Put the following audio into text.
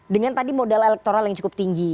dengan tadi modal elektoral yang cukup tinggi